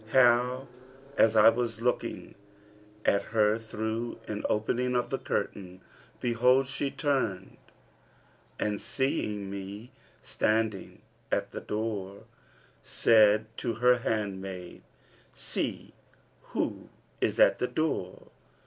How as I was looking at her through an opening of the curtain, behold, she turned; and, seeing me standing at the door, said to her handmaid, 'See who is at the door.'